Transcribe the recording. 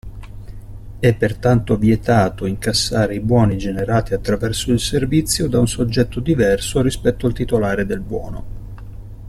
È, pertanto, vietato incassare i buoni generati attraverso il servizio da un soggetto diverso rispetto al titolare del buono.